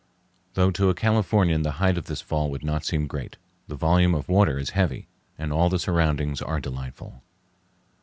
Though to a Californian the height of this fall would not seem great, the volume of water is heavy, and all the surroundings are delightful.